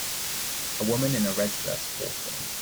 A woman in a red dress walking.